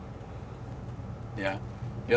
ya tentu seseorang yang mendapatkan pendidikan